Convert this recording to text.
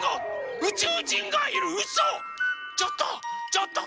ちょっと！